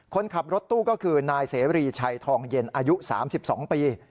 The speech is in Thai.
คนขับรถตู้ก็คือนายเสรีชัยทองเย็นอายุ๓๒ปี